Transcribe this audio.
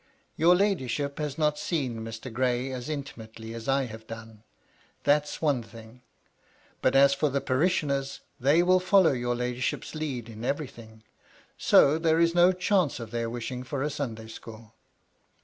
'^ Your ladyship has not seen Mr. Gray as intimately as I have done. That's one thing. But, as for the parishioners, they will follow your ladyship's lead in everything ; so there is no chance of their wishing for a Sunday school."